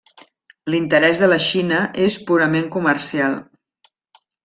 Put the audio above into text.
L'interès de la Xina és purament comercial.